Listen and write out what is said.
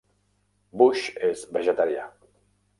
Bush és vegetarià.